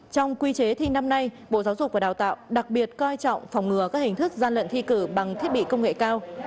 trong quy chế thi năm nay bộ giáo dục và đào tạo đặc biệt coi trọng phòng ngừa các hình thức gian lận thi cử bằng thiết bị công nghệ cao